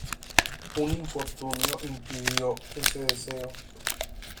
Un infortunio impidió ese deseo.